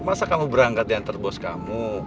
masa kamu berangkat diantar bos kamu